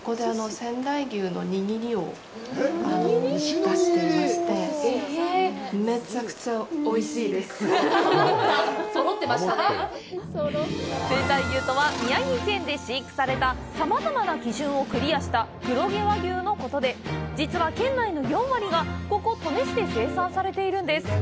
仙台牛とは、宮城県で飼育されたさまざまな基準をクリアした黒毛和牛のことで、実は、県内の４割がここ登米市で生産されているんです。